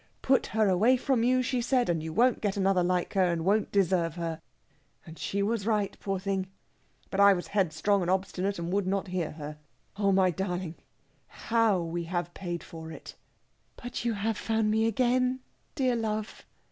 'Put her away from you,' she said, 'and you won't get another like her, and won't deserve her!' And she was right, poor thing! But I was headstrong and obstinate, and would not hear her. Oh, my darling, how we have paid for it!" "But you have found me again, dear love!"